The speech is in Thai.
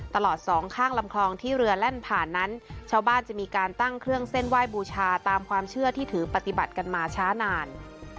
สองข้างลำคลองที่เรือแล่นผ่านนั้นชาวบ้านจะมีการตั้งเครื่องเส้นไหว้บูชาตามความเชื่อที่ถือปฏิบัติกันมาช้านาน